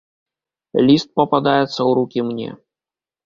Ліст пападаецца ў рукі мне.